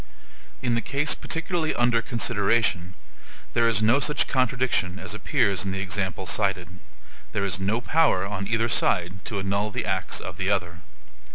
In the case particularly under consideration, there is no such contradiction as appears in the example cited; there is no power on either side to annul the acts of the other.